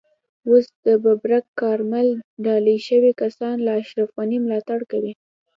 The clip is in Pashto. اوس د ببرک کارمل ډالۍ شوي کسان له اشرف غني ملاتړ کوي.